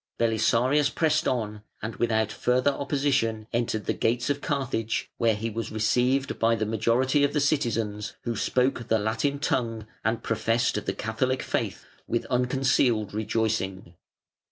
Belisarius pressed on and without further opposition entered the gates of Carthage, where he was received by the majority of the citizens, who spoke the Latin tongue, and professed the Catholic faith, with unconcealed rejoicing.